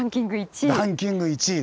ランキング１位。